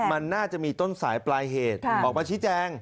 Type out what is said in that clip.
มันน่าจะมีต้นสายปลายเหตุออกมาชี้แจง